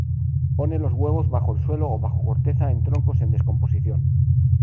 Pone los huevos bajo el suelo o bajo corteza en troncos en descomposición.